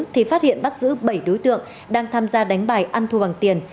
thì phát hiện bắt giữ bảy đối tượng đang tham gia đánh bài ăn thua bằng tiền